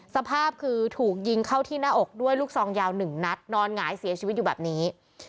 สภาพคือถูกยิงเข้าที่หน้าอกด้วยลูกซองยาว๑นัดนอนหงายเสียชีวิตอยู่แบบนี้